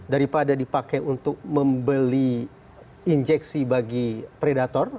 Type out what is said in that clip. daripada dipakai untuk membeli injeksi bagi predator